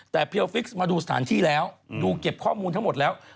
แต่เพียลฟิกซ์มาดูสถานที่แล้วดูเก็บข้อมูลทั้งหมดแล้ว